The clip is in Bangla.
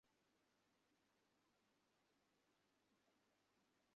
আমেরিকা-ইউরোপে স্বামীজী কি দেখিলেন, এই প্রসঙ্গ হইতেছিল।